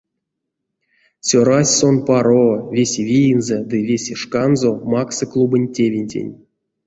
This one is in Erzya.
Цёрась сон паро, весе виензэ ды весе шканзо максы клубонь тевентень.